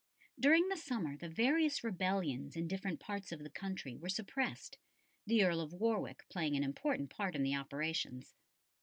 During the summer the various rebellions in different parts of the country were suppressed, the Earl of Warwick playing an important part in the operations.